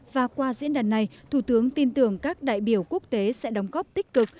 và qua diễn đàn này thủ tướng tin tưởng các đại biểu quốc tế sẽ đóng góp tích cực